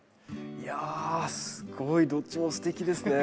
いやすごいどっちもすてきですね。